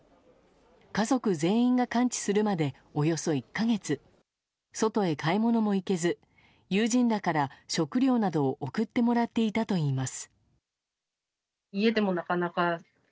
家族全員が完治するまでおよそ１か月外へ買い物も行けず友人らから食料などを送ってもらっていたといいます。